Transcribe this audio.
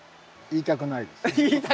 「言いたくないです」。